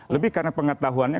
lebih karena pengetahuannya